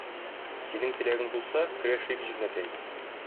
Синең теләгең булса, көрәшик, җизнәкәй.